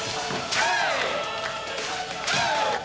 はい！